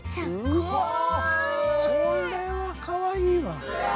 これはかわいいわ。